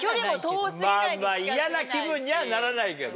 まぁまぁ嫌な気分にはならないけど。